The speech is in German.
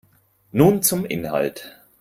Nun zum Inhalt.